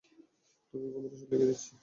তোকে ঘুমের ওষুধ লিখে দিচ্ছি।